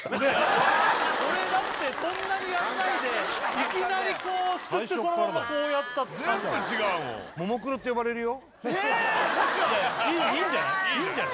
これだってそんなにやんないでいきなりこうすくってそのままこうやった全部違うもんいいんじゃない？